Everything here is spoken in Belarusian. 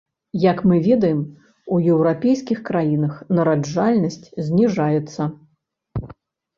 А як мы ведаем, у еўрапейскіх краінах нараджальнасць зніжаецца.